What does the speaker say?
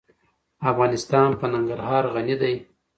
افغانستان په ننګرهار غني دی.